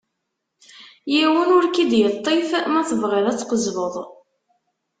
Yiwen ur k-id-yeṭṭif ma tebɣiḍ ad tqezzbeḍ.